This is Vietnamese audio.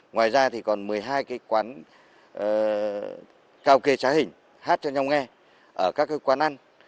ngoài ra thì còn một mươi hai cái quán kaoke cháy hình hát cho nhau nghe ở các cái quán ăn